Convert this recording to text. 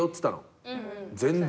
全然。